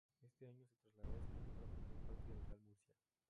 Ese año se trasladó a España para formar parte del Real Murcia.